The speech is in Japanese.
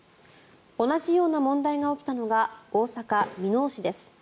同じような問題が起きたのが大阪・箕面市です。